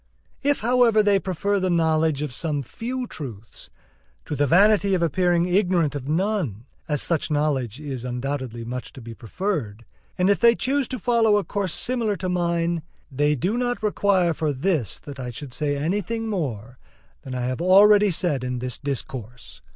If, however, they prefer the knowledge of some few truths to the vanity of appearing ignorant of none, as such knowledge is undoubtedly much to be preferred, and, if they choose to follow a course similar to mine, they do not require for this that I should say anything more than I have already said in this discourse.